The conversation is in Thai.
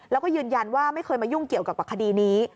แล้วก็ยืนยันว่าไม่เคยมายุ่งเกี่ยวกับคดีนี้